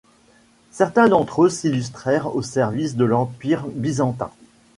Certains d'entre eux s'illustrèrent au service de l'Empire byzantin.